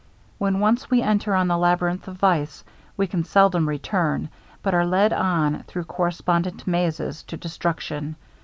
When once we enter on the ladyrinth of vice, we can seldom return, but are led on, through correspondent mazes, to destruction.